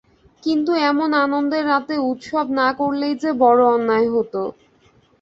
কিন্তু এমন আনন্দের রাতে উৎসব না করলেই যে বড় অন্যায় হতো।